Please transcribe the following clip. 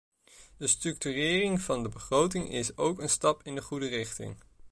De structurering van de begroting is ook een stap in de goede richting.